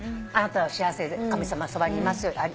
あなたは幸せで神様はそばにいますよ。